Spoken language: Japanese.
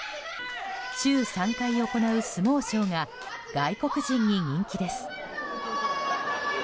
週３回行う相撲ショーが外国人に人気です。